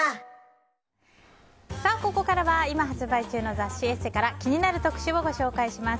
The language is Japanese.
ここからは今発売中の雑誌「ＥＳＳＥ」から気になる特集をご紹介します。